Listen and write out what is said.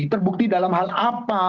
terbukti dalam hal apa